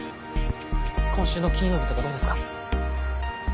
今週の金曜日とかどうですか？